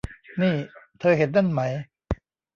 นี่ เธอเห็นนั่นไหม